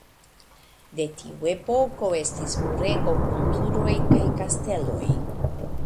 De tiu epoko estis murego kun turoj kaj kastelo.